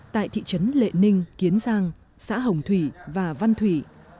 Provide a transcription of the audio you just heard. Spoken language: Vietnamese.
tại thị trấn lệ ninh kiến giang xã hồng thủy và văn thủy